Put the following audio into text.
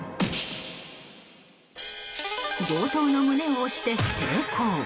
強盗の胸を押して抵抗。